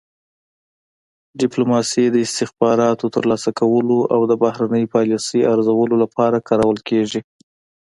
ډیپلوماسي د استخباراتو ترلاسه کولو او د بهرنۍ پالیسۍ ارزولو لپاره کارول کیږي